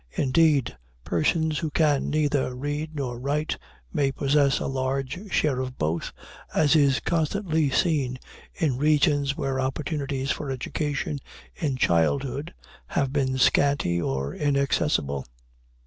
Indeed, persons who can neither read nor write may possess a large share of both, as is constantly seen in regions where the opportunities for education in childhood have been scanty or inaccessible.